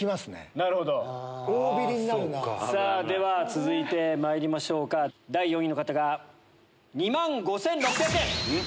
続いてまいりましょうか第４位の方が２万５６００円！